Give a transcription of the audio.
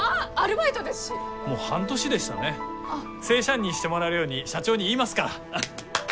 正社員にしてもらえるように社長に言いますから。